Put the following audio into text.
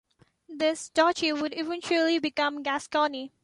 This duchy would eventually become Gascony.